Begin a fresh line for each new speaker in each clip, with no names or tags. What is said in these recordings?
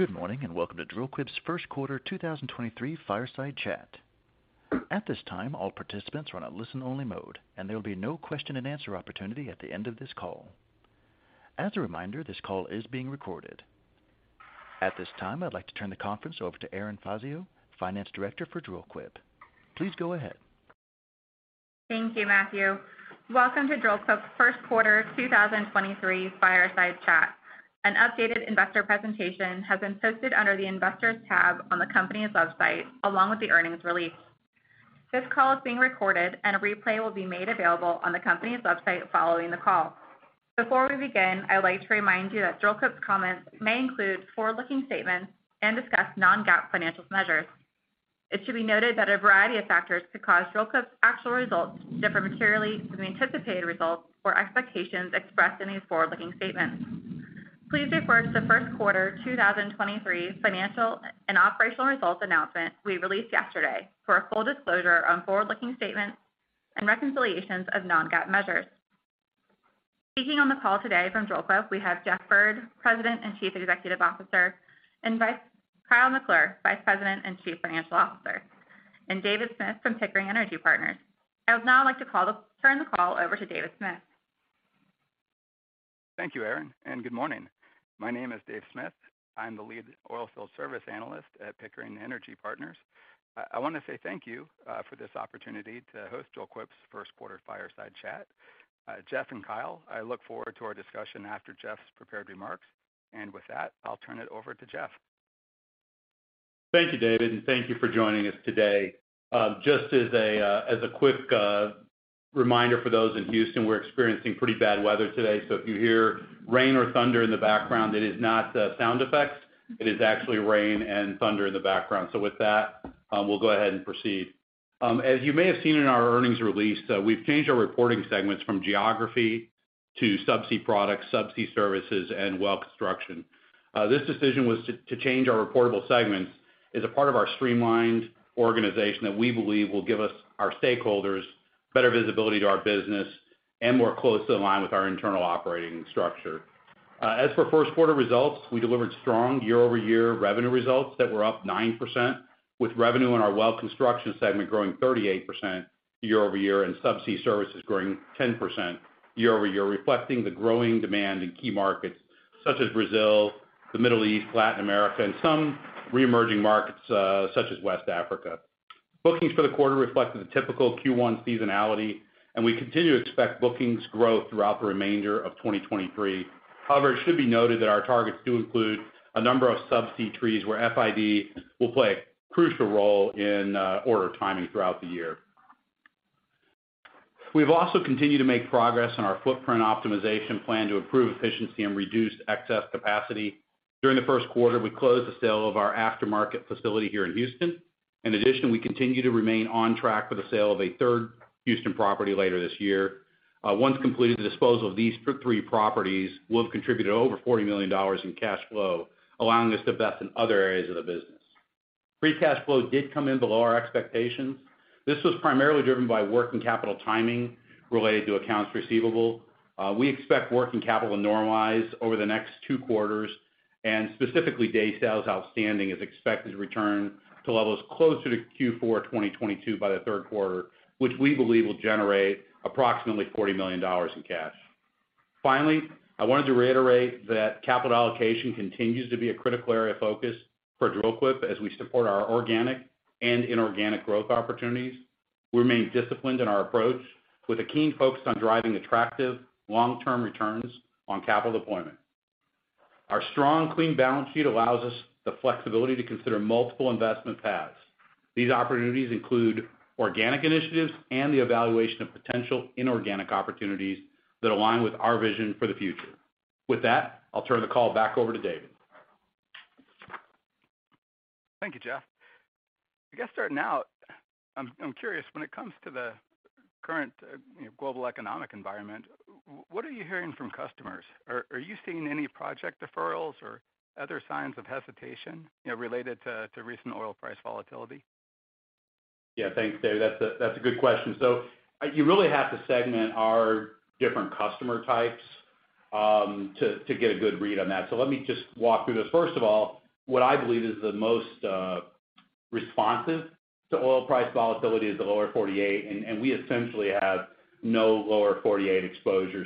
Good morning. Welcome to Dril-Quip's first quarter 2023 fireside chat. At this time, all participants are on a listen-only mode. There'll be no question and answer opportunity at the end of this call. As a reminder, this call is being recorded. At this time, I'd like to turn the conference over to Erin Fazio, Finance Director for Dril-Quip. Please go ahead.
Thank you, Matthew. Welcome to Dril-Quip's first quarter 2023 fireside chat. An updated investor presentation has been posted under the Investors tab on the company's website, along with the earnings release. This call is being recorded and a replay will be made available on the company's website following the call. Before we begin, I would like to remind you that Dril-Quip's comments may include forward-looking statements and discuss non-GAAP financial measures. It should be noted that a variety of factors could cause Dril-Quip's actual results to differ materially from the anticipated results or expectations expressed in these forward-looking statements. Please refer to the first quarter 2023 financial and operational results announcement we released yesterday for a full disclosure on forward-looking statements and reconciliations of non-GAAP measures. Speaking on the call today from Dril-Quip, we have Jeff Bird, President and Chief Executive Officer, and Kyle McClure, Vice President and Chief Financial Officer, and David Smith from Pickering Energy Partners. I would now like to turn the call over to David Smith.
Thank you, Erin. Good morning. My name is Dave Smith. I'm the lead oilfield service analyst at Pickering Energy Partners. I wanna say thank you for this opportunity to host Dril-Quip's first quarter fireside chat. Jeff and Kyle, I look forward to our discussion after Jeff's prepared remarks. With that, I'll turn it over to Jeff.
Thank you, David, and thank you for joining us today. Just as a quick reminder for those in Houston, we're experiencing pretty bad weather today, so if you hear rain or thunder in the background, it is not sound effects, it is actually rain and thunder in the background. With that, we'll go ahead and proceed. As you may have seen in our earnings release, we've changed our reporting segments from geography to subsea products, subsea services, and well construction. This decision was to change our reportable segments as a part of our streamlined organization that we believe will give us, our stakeholders, better visibility to our business and more closely aligned with our internal operating structure. As for first quarter results, we delivered strong year-over-year revenue results that were up 9%, with revenue in our well construction segment growing 38% year-over-year, and subsea services growing 10% year-over-year, reflecting the growing demand in key markets such as Brazil, the Middle East, Latin America, and some reemerging markets, such as West Africa. Bookings for the quarter reflected the typical Q1 seasonality, and we continue to expect bookings growth throughout the remainder of 2023. It should be noted that our targets do include a number of subsea trees where FID will play a crucial role in order timing throughout the year. We've also continued to make progress on our footprint optimization plan to improve efficiency and reduce excess capacity. During the first quarter, we closed the sale of our aftermarket facility here in Houston. In addition, we continue to remain on track for the sale of a third Houston property later this year. Once completed, the disposal of these three properties will have contributed over $40 million in cash flow, allowing us to invest in other areas of the business. Free cash flow did come in below our expectations. This was primarily driven by working capital timing related to accounts receivable. We expect working capital to normalize over the next two quarters, and specifically day sales outstanding is expected to return to levels closer to Q4 2022 by the third quarter, which we believe will generate approximately $40 million in cash. Finally, I wanted to reiterate that capital allocation continues to be a critical area of focus for Dril-Quip as we support our organic and inorganic growth opportunities. We remain disciplined in our approach with a keen focus on driving attractive long-term returns on capital deployment. Our strong, clean balance sheet allows us the flexibility to consider multiple investment paths. These opportunities include organic initiatives and the evaluation of potential inorganic opportunities that align with our vision for the future. With that, I'll turn the call back over to David.
Thank you, Jeff. I guess starting out, I'm curious, when it comes to the current, you know, global economic environment, what are you hearing from customers? Are you seeing any project deferrals or other signs of hesitation, you know, related to recent oil price volatility?
Thanks, Dave. That's a good question. You really have to segment our different customer types to get a good read on that. Let me just walk through this. First of all, what I believe is the most responsive to oil price volatility is the Lower Forty-Eight, and we essentially have no Lower Forty-Eight exposure.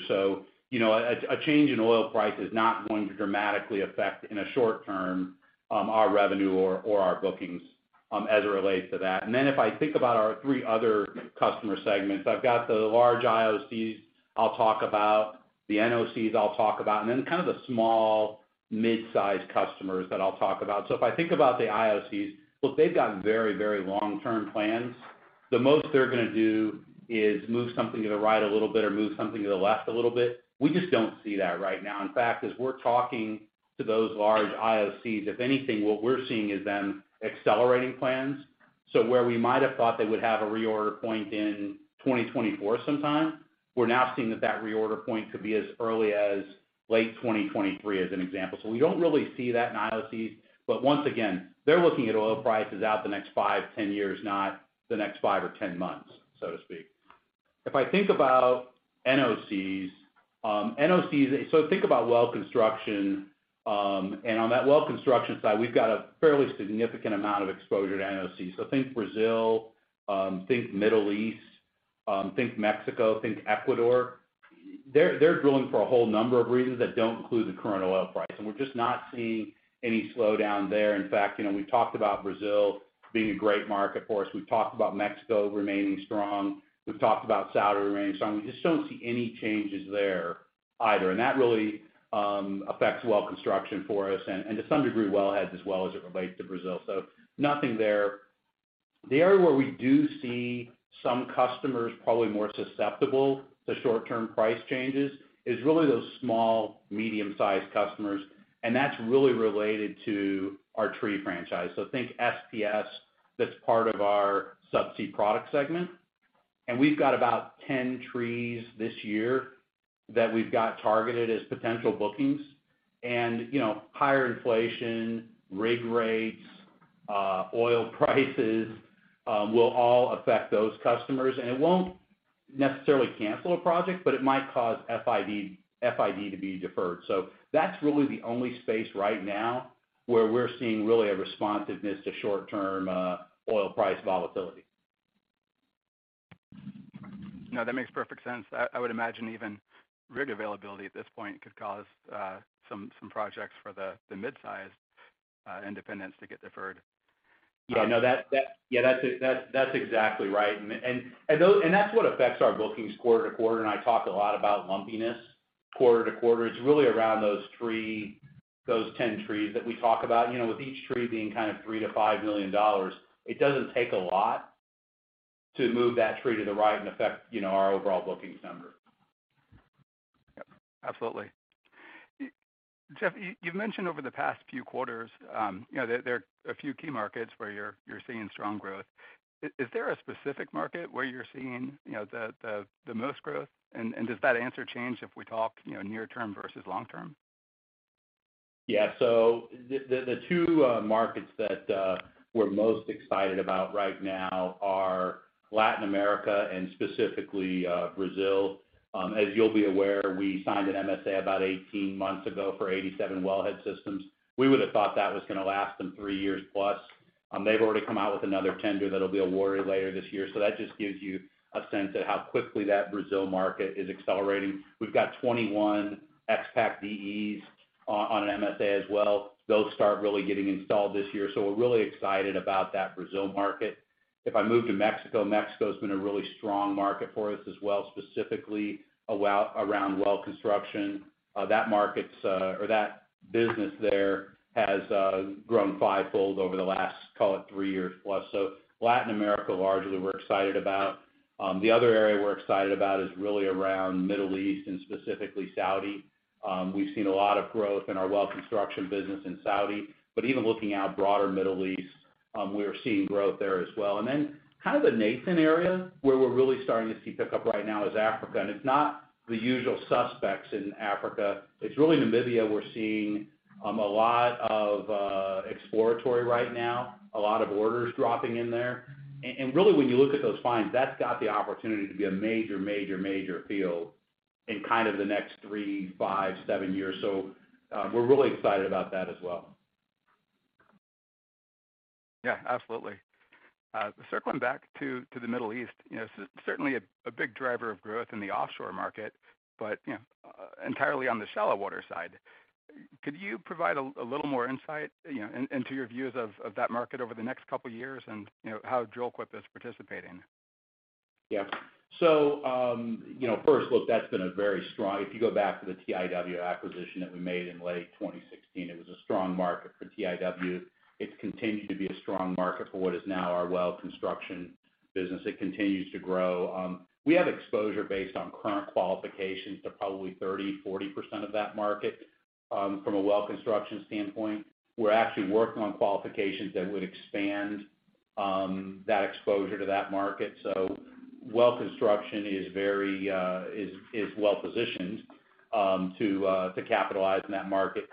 You know, a change in oil price is not going to dramatically affect, in a short term, our revenue or our bookings as it relates to that. If I think about our 3 other customer segments, I've got the large IOCs I'll talk about, the NOCs I'll talk about, and then kind of the small mid-size customers that I'll talk about. If I think about the IOCs, look, they've got very long-term plans. The most they're gonna do is move something to the right a little bit or move something to the left a little bit. We just don't see that right now. In fact, as we're talking to those large IOCs, if anything, what we're seeing is them accelerating plans. Where we might have thought they would have a reorder point in 2024 sometime, we're now seeing that reorder point could be as early as late 2023, as an example. We don't really see that in IOCs, but once again, they're looking at oil prices out the next 5, 10 years, not the next 5 or 10 months, so to speak. If I think about NOCs, think about well construction, and on that well construction side, we've got a fairly significant amount of exposure to NOC. Think Brazil, think Middle East, think Mexico, think Ecuador. They're drilling for a whole number of reasons that don't include the current oil price, and we're just not seeing any slowdown there. In fact, you know, we've talked about Brazil being a great market for us. We've talked about Mexico remaining strong. We've talked about Saudi remaining strong. We just don't see any changes there either. That really affects well construction for us and to some degree, wellheads as well as it relates to Brazil. Nothing there. The area where we do see some customers probably more susceptible to short-term price changes is really those small, medium-sized customers, and that's really related to our tree franchise. Think SPS that's part of our subsea product segment. We've got about 10 trees this year that we've got targeted as potential bookings. You know, higher inflation, rig rates, oil prices, will all affect those customers. It won't necessarily cancel a project, but it might cause FID to be deferred. That's really the only space right now where we're seeing really a responsiveness to short-term, oil price volatility.
No, that makes perfect sense. I would imagine even rig availability at this point could cause some projects for the mid-sized independents to get deferred.
Yeah, no, that. Yeah, that's exactly right. That's what affects our bookings quarter to quarter, and I talk a lot about lumpiness quarter to quarter. It's really around those 3, those 10 trees that we talk about. You know, with each tree being kind of $3 million-$5 million, it doesn't take a lot to move that tree to the right and affect, you know, our overall bookings number.
Yep, absolutely. Jeff, you've mentioned over the past few quarters, you know, there are a few key markets where you're seeing strong growth. Is there a specific market where you're seeing, you know, the most growth? Does that answer change if we talk, you know, near term versus long term?
The 2 markets that we're most excited about right now are Latin America and specifically Brazil. As you'll be aware, we signed an MSA about 18 months ago for 87 wellhead systems. We would have thought that was gonna last them 3 years plus. They've already come out with another tender that'll be awarded later this year. That just gives you a sense of how quickly that Brazil market is accelerating. We've got 21 X-Pak De on an MSA as well. They'll start really getting installed this year. We're really excited about that Brazil market. If I move to Mexico's been a really strong market for us as well, specifically around well construction. That market's or that business there has grown fivefold over the last, call it 3 years plus. Latin America, largely, we're excited about. The other area we're excited about is really around Middle East and specifically Saudi. We've seen a lot of growth in our well construction business in Saudi. Even looking out broader Middle East, we're seeing growth there as well. Kind of a nascent area where we're really starting to see pickup right now is Africa. It's not the usual suspects in Africa. It's really Namibia we're seeing a lot of exploratory right now, a lot of orders dropping in there. Really, when you look at those finds, that's got the opportunity to be a major field in kind of the next three, five, seven years. We're really excited about that as well.
Yeah, absolutely. Circling back to the Middle East, you know, certainly a big driver of growth in the offshore market, but, you know, entirely on the shallow water side. Could you provide a little more insight, you know, into your views of that market over the next couple of years and, you know, how Dril-Quip is participating?
you know, first, look, that's been a very strong... If you go back to the TIW acquisition that we made in late 2016, it was a strong market for TIW. It's continued to be a strong market for what is now our well construction business. It continues to grow. We have exposure based on current qualifications to probably 30%-40% of that market, from a well construction standpoint. We're actually working on qualifications that would expand that exposure to that market. Well construction is very well-positioned to capitalize in that market.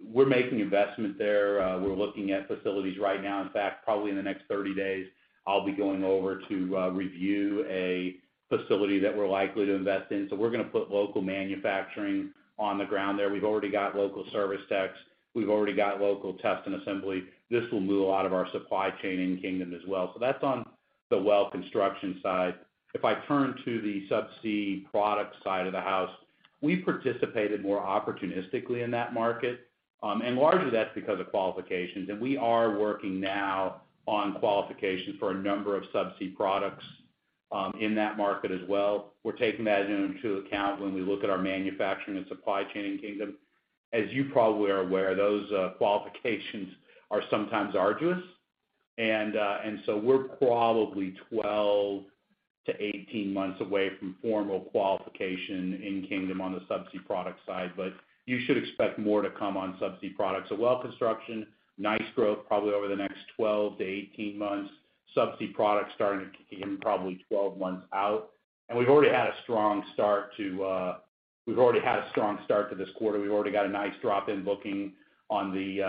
We're making investment there. We're looking at facilities right now. In fact, probably in the next 30 days, I'll be going over to review a facility that we're likely to invest in. We're gonna put local manufacturing on the ground there. We've already got local service techs. We've already got local test and assembly. This will move a lot of our supply chain in Kingdom as well. That's on the well construction side. If I turn to the subsea product side of the house, we participated more opportunistically in that market. Largely that's because of qualifications, and we are working now on qualifications for a number of subsea products in that market as well. We're taking that into account when we look at our manufacturing and supply chain in Kingdom. As you probably are aware, those qualifications are sometimes arduous. We're probably 12-18 months away from formal qualification in Kingdom on the subsea product side. You should expect more to come on subsea products. Well construction, nice growth probably over the next 12-18 months. subsea products starting to kick in probably 12 months out. We've already had a strong start to this quarter. We've already got a nice drop in booking on the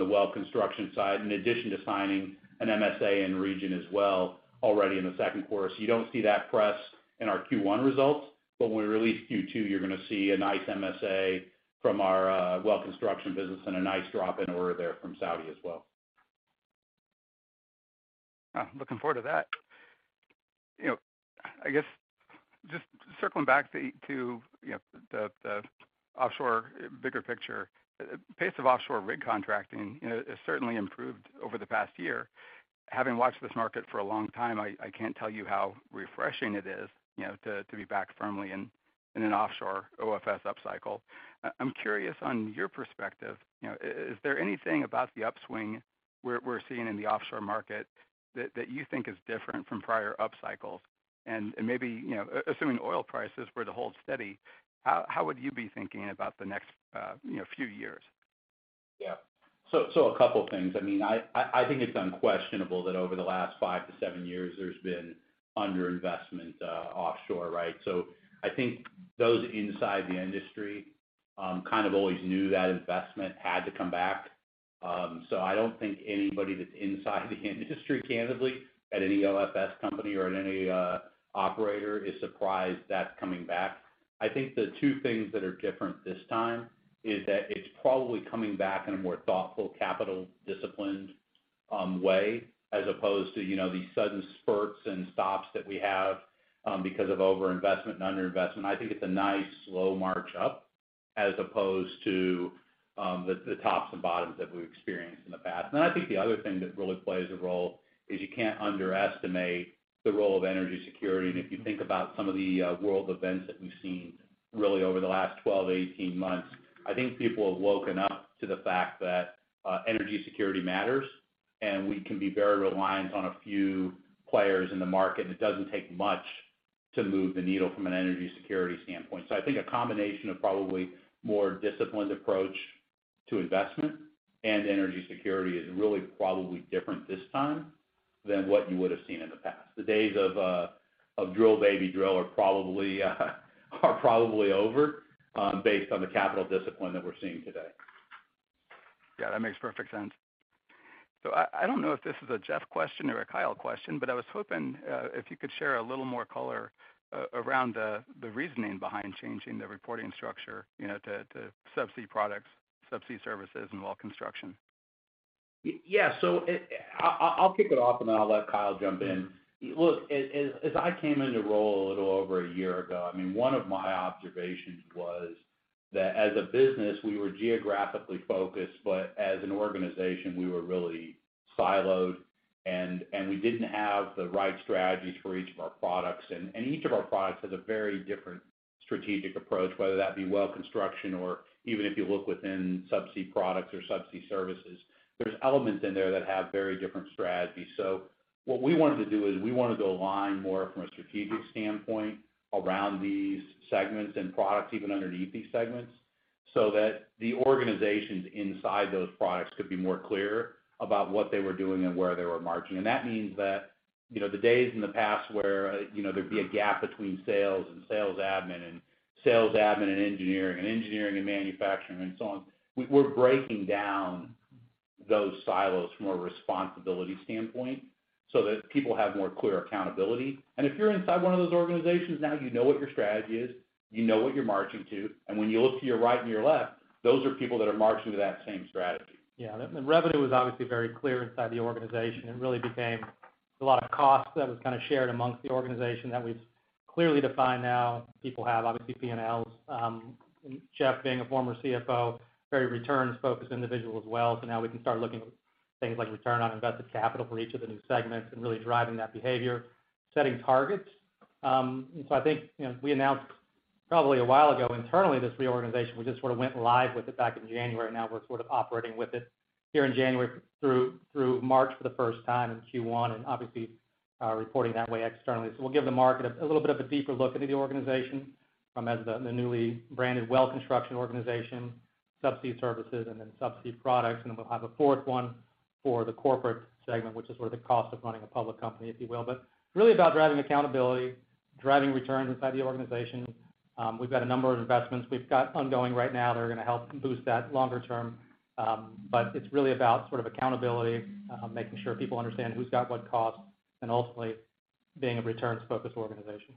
well construction side, in addition to signing an MSA in region as well already in the second quarter. You don't see that press in our Q1 results, but when we release Q2, you're gonna see a nice MSA from our well construction business and a nice drop in order there from Saudi as well.
Looking forward to that. You know, I guess just circling back to, you know, the offshore bigger picture, pace of offshore rig contracting, you know, has certainly improved over the past year. Having watched this market for a long time, I can't tell you how refreshing it is, you know, to be back firmly in an offshore OFS upcycle. I'm curious on your perspective, you know, is there anything about the upswing we're seeing in the offshore market that you think is different from prior upcycles? Maybe, you know, assuming oil prices were to hold steady, how would you be thinking about the next, you know, few years?
Yeah. So a couple things. I mean, I think it's unquestionable that over the last 5 to 7 years, there's been under-investment offshore, right. I think those inside the industry, kind of always knew that investment had to come back. I don't think anybody that's inside the industry, candidly, at any OFS company or at any operator is surprised that's coming back. I think the two things that are different this time is that it's probably coming back in a more thoughtful, capital-disciplined way, as opposed to, you know, these sudden spurts and stops that we have because of overinvestment and under-investment. I think it's a nice slow march up as opposed to the tops and bottoms that we've experienced in the past. I think the other thing that really plays a role is you can't underestimate the role of energy security. If you think about some of the world events that we've seen really over the last 12 to 18 months, I think people have woken up to the fact that energy security matters, and we can be very reliant on a few players in the market, and it doesn't take much to move the needle from an energy security standpoint. I think a combination of probably more disciplined approach to investment and energy security is really probably different this time than what you would have seen in the past. The days of drill, baby, drill are probably over based on the capital discipline that we're seeing today.
Yeah, that makes perfect sense. I don't know if this is a Jeff question or a Kyle question, but I was hoping if you could share a little more color around the reasoning behind changing the reporting structure, you know, to subsea products, subsea services, and well construction.
Yeah. I'll kick it off, and then I'll let Kyle jump in. Look, as I came into role a little over a year ago, I mean, one of my observations was that as a business, we were geographically focused, but as an organization, we were really siloed, and we didn't have the right strategies for each of our products. Each of our products has a very different strategic approach, whether that be well construction or even if you look within subsea products or subsea services, there's elements in there that have very different strategies. What we wanted to do is we wanted to align more from a strategic standpoint around these segments and products, even underneath these segments, so that the organizations inside those products could be more clear about what they were doing and where they were marching. That means that, you know, the days in the past where, you know, there'd be a gap between sales and sales admin, and sales admin and engineering, and engineering and manufacturing, and so on, we're breaking down those silos from a responsibility standpoint so that people have more clear accountability. If you're inside one of those organizations now, you know what your strategy is, you know what you're marching to, and when you look to your right and your left, those are people that are marching to that same strategy.
The revenue was obviously very clear inside the organization. It really became a lot of costs that was kind of shared amongst the organization that we've clearly defined now. People have obviously P&Ls. Jeff being a former CFO, very returns-focused individual as well. Now we can start looking at things like return on invested capital for each of the new segments and really driving that behavior, setting targets. I think, you know, we announced probably a while ago internally this reorganization. We just sort of went live with it back in January. Now we're sort of operating with it here in January through March for the first time in Q1, and obviously, reporting that way externally. We'll give the market a little bit of a deeper look into the organization, as the newly branded Well Construction organization, Subsea Services, and Subsea Products. We'll have a fourth one for the corporate segment, which is sort of the cost of running a public company, if you will. Really about driving accountability, driving returns inside the organization. We've got a number of investments we've got ongoing right now that are gonna help boost that longer term. It's really about sort of accountability, making sure people understand who's got what cost, and ultimately being a returns-focused organization.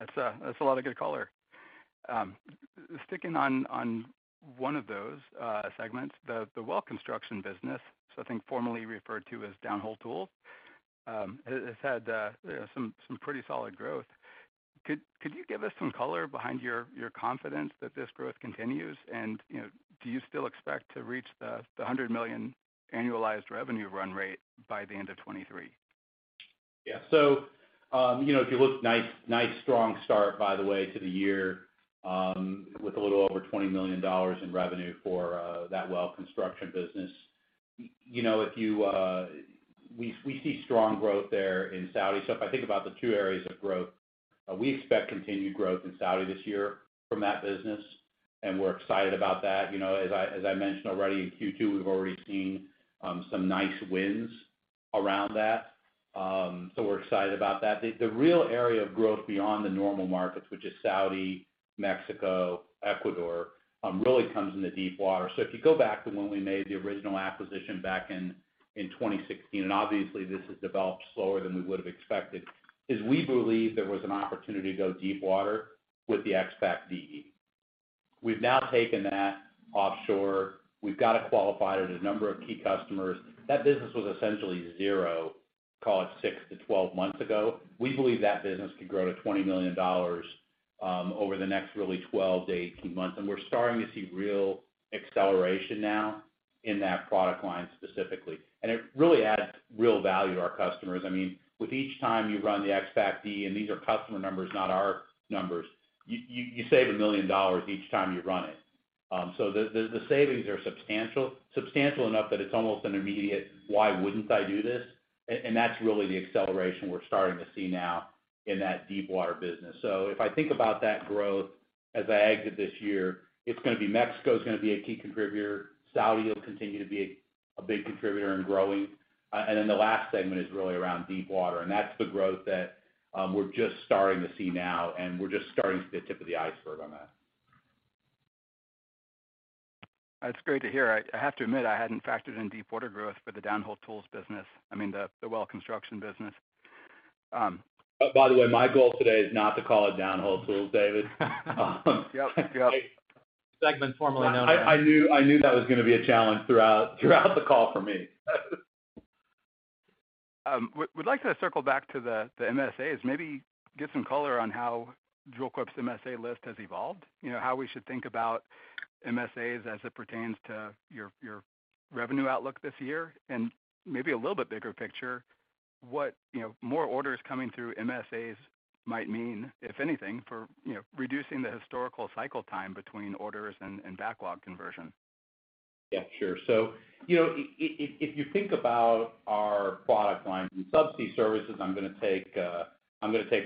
That's, that's a lot of good color. Sticking on one of those segments, the Well Construction Business. I think formerly referred to as Downhole Tools, it has had, you know, some pretty solid growth. Could you give us some color behind your confidence that this growth continues? You know, do you still expect to reach the $100 million annualized revenue run rate by the end of 2023?
Yeah. You know, if you look, nice strong start, by the way, to the year, with a little over $20 million in revenue for that well construction business. You know, if you, We see strong growth there in Saudi. If I think about the two areas of growth, we expect continued growth in Saudi this year from that business. We're excited about that. You know, as I mentioned already, in Q2, we've already seen some nice wins around that. We're excited about that. The real area of growth beyond the normal markets, which is Saudi, Mexico, Ecuador, really comes in the deepwater. If you go back to when we made the original acquisition back in 2016, and obviously this has developed slower than we would've expected, is we believed there was an opportunity to go deepwater with the X-Pak De. We've now taken that offshore. We've got it qualified at a number of key customers. That business was essentially zero, call it 6 to 12 months ago. We believe that business could grow to $20 million over the next really 12 to 18 months. We're starting to see real acceleration now in that product line specifically. It really adds real value to our customers. I mean, with each time you run the X-Pak De, and these are customer numbers, not our numbers, you save $1 million each time you run it. The savings are substantial enough that it's almost an immediate, "Why wouldn't I do this?" That's really the acceleration we're starting to see now in that deepwater business. If I think about that growth as I exit this year, it's gonna be Mexico's gonna be a key contributor. Saudi will continue to be a big contributor and growing. The last segment is really around deepwater, and that's the growth that we're just starting to see now, and we're just starting to see the tip of the iceberg on that.
That's great to hear. I have to admit, I hadn't factored in deepwater growth for the downhole tools business. I mean the well construction business.
By the way, my goal today is not to call it downhole tools, David.
Yep. Yep. Segment formally known as.
I knew that was gonna be a challenge throughout the call for me.
would like to circle back to the MSAs, maybe get some color on how Dril-Quip's MSA list has evolved, you know, how we should think about MSAs as it pertains to your revenue outlook this year, and maybe a little bit bigger picture, what, you know, more orders coming through MSAs might mean, if anything, for, you know, reducing the historical cycle time between orders and backlog conversion?
Yeah, sure. You know, if you think about our product lines and subsea services, I'm gonna take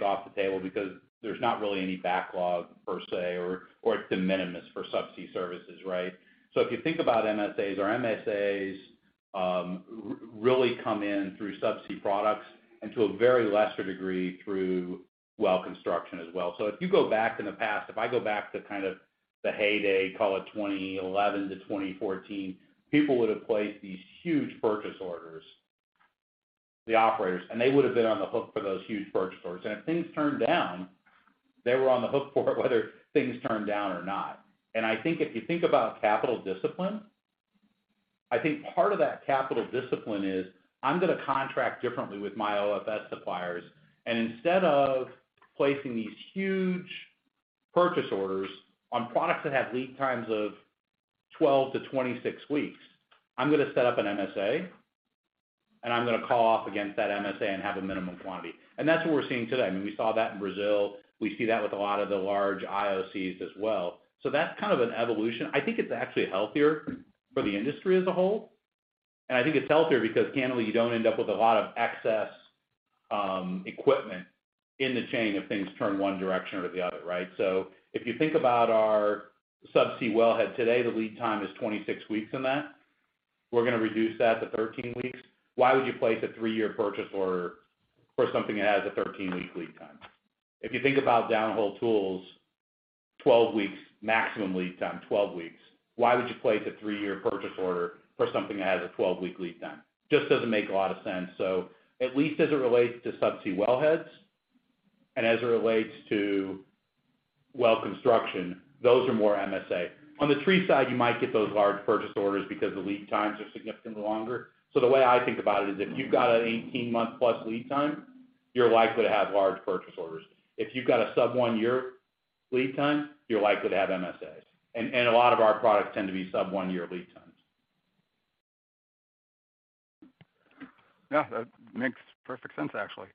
off the table because there's not really any backlog per se or it's de minimis for subsea services, right? If you think about MSAs, our MSAs really come in through subsea products and to a very lesser degree through well construction as well. If you go back in the past, if I go back to kind of the heyday, call it 2011 to 2014, people would've placed these huge purchase orders, the operators, and they would've been on the hook for those huge purchase orders. If things turned down, they were on the hook for it whether things turned down or not. I think if you think about capital discipline, I think part of that capital discipline is I'm gonna contract differently with my OFS suppliers, and instead of placing these huge purchase orders on products that have lead times of 12 to 26 weeks, I'm gonna set up an MSA, and I'm gonna call off against that MSA and have a minimum quantity. That's what we're seeing today. I mean, we saw that in Brazil. We see that with a lot of the large IOCs as well. That's kind of an evolution. I think it's actually healthier for the industry as a whole, and I think it's healthier because candidly, you don't end up with a lot of excess equipment in the chain if things turn one direction or the other, right? If you think about our subsea wellhead today, the lead time is 26 weeks in that. We're gonna reduce that to 13 weeks. Why would you place a 3-year purchase order for something that has a 13-week lead time? If you think about downhole tools, 12 weeks maximum lead time, 12 weeks. Why would you place a 3-year purchase order for something that has a 12-week lead time? Just doesn't make a lot of sense. At least as it relates to subsea wellheads and as it relates to well construction, those are more MSA. On the tree side, you might get those large purchase orders because the lead times are significantly longer. The way I think about it is if you've got an 18-month-plus lead time, you're likely to have large purchase orders. If you've got a sub one year lead time, you're likely to have MSAs. A lot of our products tend to be sub one year lead times.
Yeah. That makes perfect sense actually.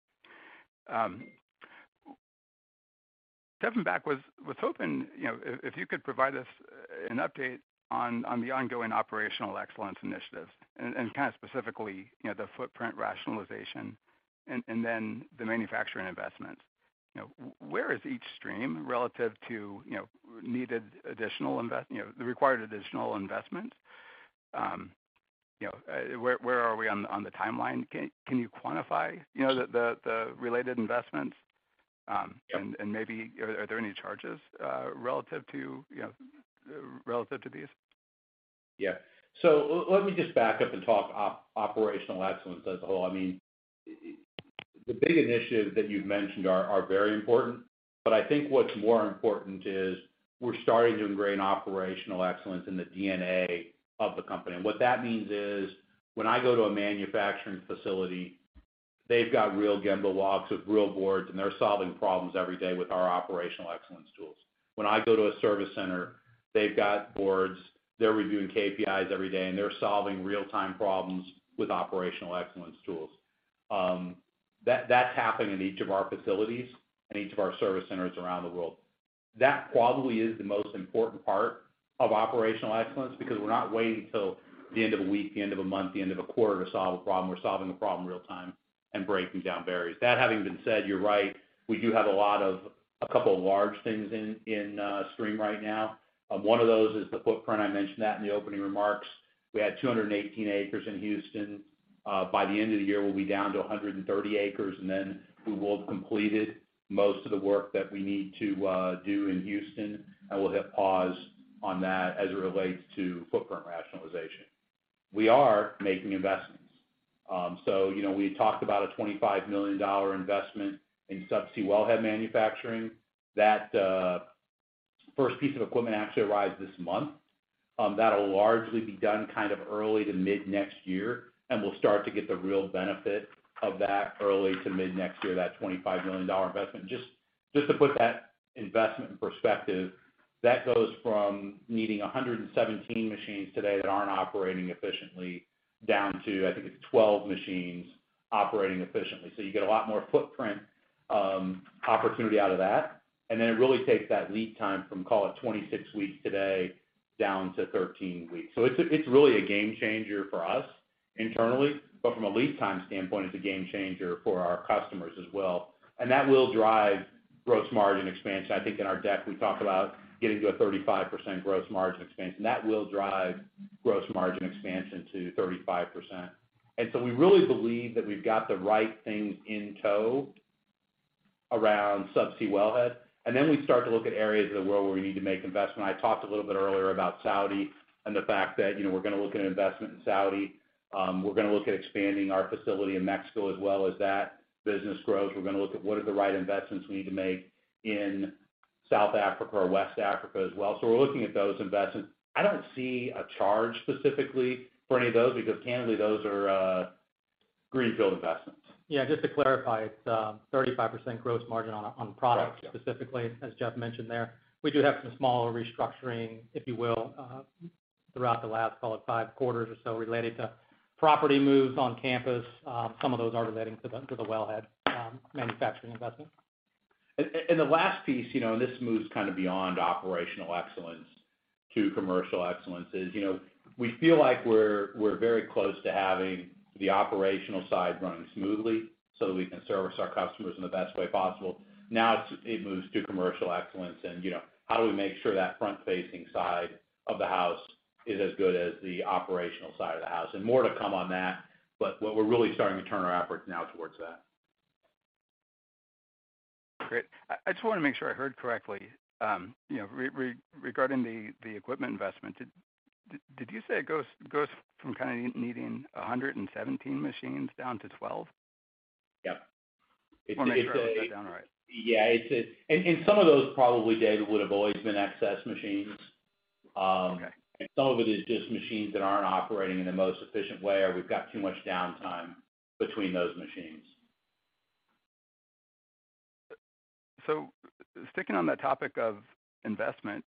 Stepping back, was hoping, you know, if you could provide us an update on the ongoing operational excellence initiatives and kind of specifically, you know, the footprint rationalization and then the manufacturing investments. You know, where is each stream relative to, you know, needed additional, you know, the required additional investment? You know, where are we on the timeline? Can you quantify, you know, the related investments?
Yeah.
Maybe are there any charges, relative to, you know, relative to these?
Yeah. Let me just back up and talk operational excellence as a whole. I mean, the big initiatives that you've mentioned are very important, but I think what's more important is we're starting to ingrain operational excellence in the DNA of the company. What that means is when I go to a manufacturing facility, they've got real Gemba walks with real boards, and they're solving problems every day with our operational excellence tools. When I go to a service center, they've got boards, they're reviewing KPIs every day, and they're solving real-time problems with operational excellence tools. That's happened in each of our facilities and each of our service centers around the world. That probably is the most important part of operational excellence because we're not waiting till the end of a week, the end of a month, the end of a quarter to solve a problem. We're solving the problem real time and breaking down barriers. That having been said, you're right, we do have a couple of large things in stream right now. One of those is the footprint. I mentioned that in the opening remarks. We had 218 acres in Houston. By the end of the year, we'll be down to 130 acres, and then we will have completed most of the work that we need to do in Houston, and we'll hit pause on that as it relates to footprint rationalization. We are making investments. You know, we talked about a $25 million investment in subsea wellhead manufacturing. That, first piece of equipment actually arrives this month. That'll largely be done kind of early to mid next year, and we'll start to get the real benefit of that early to mid next year, that $25 million investment. Just to put that investment in perspective, that goes from needing 117 machines today that aren't operating efficiently down to, I think, it's 12 machines operating efficiently. You get a lot more footprint, opportunity out of that. Then it really takes that lead time from, call it, 26 weeks today down to 13 weeks. It's really a game changer for us internally. From a lead time standpoint, it's a game changer for our customers as well. That will drive gross margin expansion. I think in our deck we talk about getting to a 35% gross margin expansion. That will drive gross margin expansion to 35%. We really believe that we've got the right things in tow around subsea wellhead. We start to look at areas of the world where we need to make investment. I talked a little bit earlier about Saudi and the fact that, you know, we're gonna look at investment in Saudi. We're gonna look at expanding our facility in Mexico as well as that business grows. We're gonna look at what are the right investments we need to make in South Africa or West Africa as well. We're looking at those investments. I don't see a charge specifically for any of those because, candidly, those are greenfield investments.
Yeah, just to clarify, it's, 35% gross margin on products...
Right. Yeah.
Specifically, as Jeff mentioned there. We do have some smaller restructuring, if you will, throughout the last, call it, 5 quarters or so related to property moves on campus. Some of those are relating to the, to the wellhead, manufacturing investment.
The last piece, you know, and this moves kind of beyond operational excellence to commercial excellence, is, you know, we feel like we're very close to having the operational side running smoothly so that we can service our customers in the best way possible. Now it moves to commercial excellence and, you know, how do we make sure that front-facing side of the house is as good as the operational side of the house. More to come on that, but what we're really starting to turn our efforts now towards that.
Great. I just wanna make sure I heard correctly. you know, regarding the equipment investment, did you say it goes from kind of needing 117 machines down to 12?
Yep.
Want to make sure I wrote that down right.
Yeah, it's. Some of those probably, David, would have always been excess machines.
Okay.
Some of it is just machines that aren't operating in the most efficient way, or we've got too much downtime between those machines.
Sticking on that topic of investment,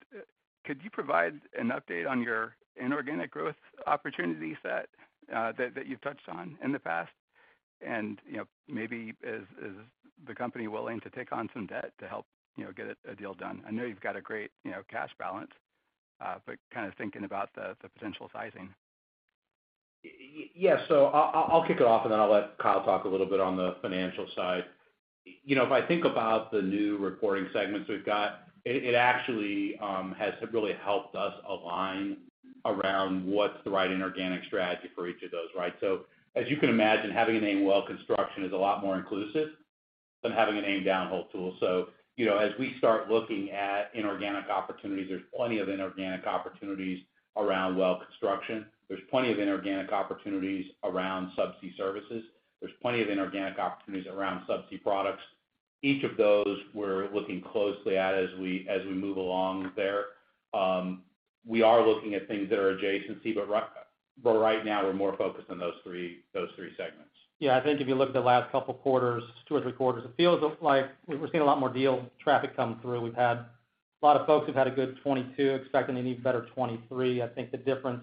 could you provide an update on your inorganic growth opportunity set, that you've touched on in the past? You know, maybe is the company willing to take on some debt to help, you know, get a deal done? I know you've got a great, you know, cash balance, but kind of thinking about the potential sizing.
Yes. I'll kick it off, and then I'll let Kyle talk a little bit on the financial side. You know, if I think about the new reporting segments we've got, it actually has really helped us align around what's the right inorganic strategy for each of those, right? As you can imagine, having a name well construction is a lot more inclusive than having a name downhole tool. You know, as we start looking at inorganic opportunities, there's plenty of inorganic opportunities around well construction. There's plenty of inorganic opportunities around subsea services. There's plenty of inorganic opportunities around subsea products. Each of those we're looking closely at as we move along there. We are looking at things that are adjacency, but right now we're more focused on those three segments.
Yeah. I think if you look at the last couple quarters, 2 or 3 quarters, it feels like we're seeing a lot more deal traffic come through. We've had a lot of folks who've had a good 2022, expecting an even better 2023. I think the difference,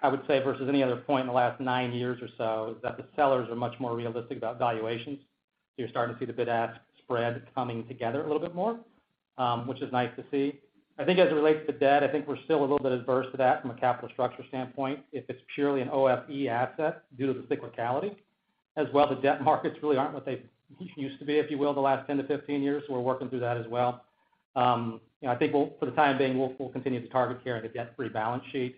I would say versus any other point in the last 9 years or so, is that the sellers are much more realistic about valuations. You're starting to see the bid-ask spread coming together a little bit more, which is nice to see. I think as it relates to debt, I think we're still a little bit adverse to that from a capital structure standpoint. If it's purely an OFE asset due to the cyclicality, as well, the debt markets really aren't what they used to be, if you will, the last 10-15 years. We're working through that as well. you know, I think we'll for the time being, we'll continue to target here and a debt-free balance sheet,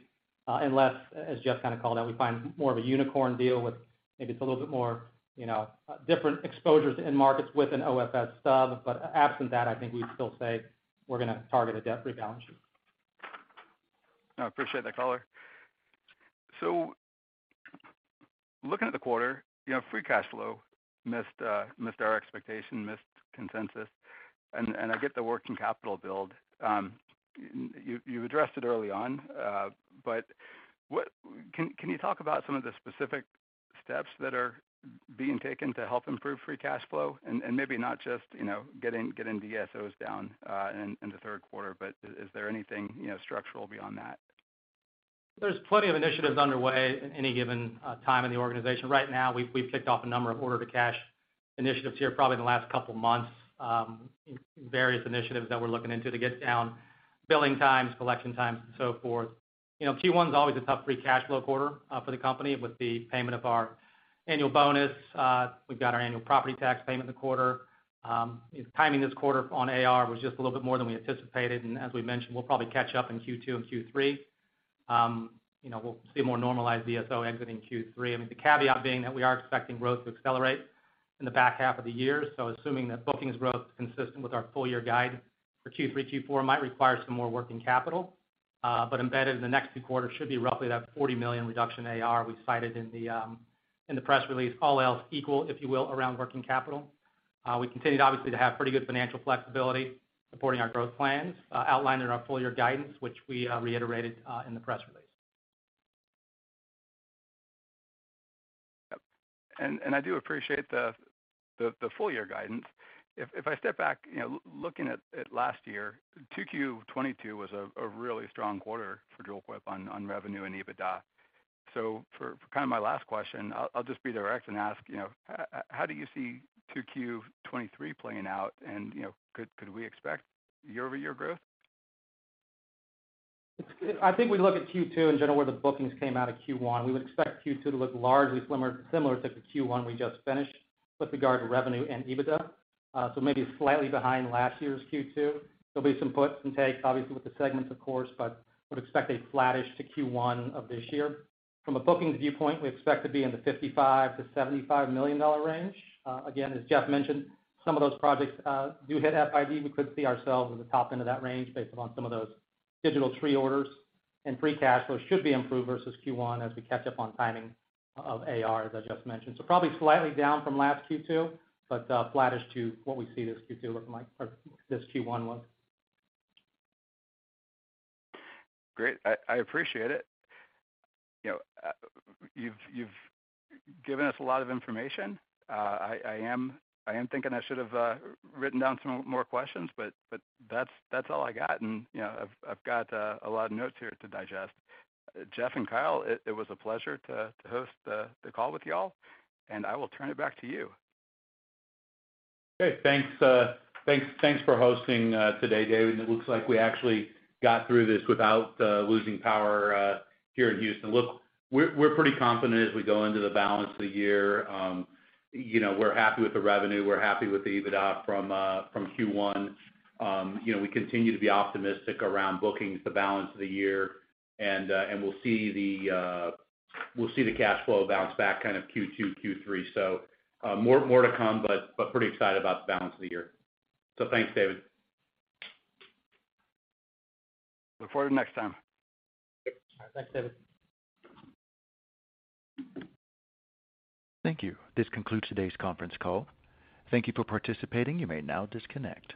unless, as Jeff kind of called out, we find more of a unicorn deal with maybe it's a little bit more, you know, different exposures in markets with an OFS stub. Absent that, I think we'd still say we're gonna target a debt-free balance sheet.
No, I appreciate that color. Looking at the quarter, you know, free cash flow missed our expectation, missed consensus. I get the working capital build. You addressed it early on. Can you talk about some of the specific steps that are being taken to help improve free cash flow and maybe not just, you know, getting DSOs down in the third quarter, but is there anything, you know, structural beyond that?
There's plenty of initiatives underway at any given time in the organization. Right now, we've kicked off a number of order to cash initiatives here probably in the last couple months, various initiatives that we're looking into to get down billing times, collection times and so forth. You know, Q1 is always a tough free cash flow quarter for the company with the payment of our annual bonus. We've got our annual property tax payment in the quarter. Timing this quarter on AR was just a little bit more than we anticipated, as we mentioned, we'll probably catch up in Q2 and Q3. You know, we'll see a more normalized DSO exiting Q3. I mean, the caveat being that we are expecting growth to accelerate in the back half of the year. Assuming that bookings growth consistent with our full year guide for Q3, Q4 might require some more working capital. Embedded in the next 2 quarters should be roughly that $40 million reduction AR we've cited in the press release, all else equal, if you will, around working capital. We continued obviously to have pretty good financial flexibility supporting our growth plans, outlined in our full year guidance, which we reiterated in the press release.
Yep. I do appreciate the, the full year guidance. If, if I step back, you know, looking at last year, 2Q 2022 was a really strong quarter for Dril-Quip on revenue and EBITDA. For kind of my last question, I'll just be direct and ask, you know, how do you see 2Q 2023 playing out? You know, could we expect year-over-year growth?
I think we look at Q2 in general where the bookings came out of Q1. We would expect Q2 to look largely similar to the Q1 we just finished with regard to revenue and EBITDA, so maybe slightly behind last year's Q2. There'll be some puts and takes obviously with the segments, of course, but would expect a flattish to Q1 of this year. From a bookings viewpoint, we expect to be in the $55 million-$75 million range. Again, as Jeff mentioned, some of those projects do hit FID. We could see ourselves at the top end of that range based upon some of those digital tree orders. Free cash flow should be improved versus Q1 as we catch up on timing of AR, as I just mentioned.probably slightly down from last Q2, but flattish to what we see this Q2 looking like or this Q1 look.
Great. I appreciate it. You know, you've given us a lot of information. I am thinking I should have, written down some more questions, but that's all I got. You know, I've got, a lot of notes here to digest. Jeff and Kyle, it was a pleasure to host the call with y'all, and I will turn it back to you.
Great. Thanks, thanks for hosting today, David. It looks like we actually got through this without losing power here in Houston. Look, we're pretty confident as we go into the balance of the year. You know, we're happy with the revenue. We're happy with the EBITDA from Q1. You know, we continue to be optimistic around bookings the balance of the year. We'll see the cash flow bounce back kind of Q2, Q3. More to come, but pretty excited about the balance of the year. Thanks, David.
Look forward to next time.
All right. Thanks, David.
Thank you. This concludes today's conference call. Thank you for participating. You may now disconnect.